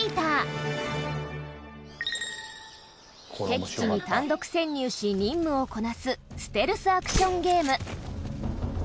敵地に単独潜入し任務をこなすステルスアクションゲーム